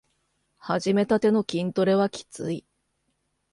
はじめたての筋トレはきつい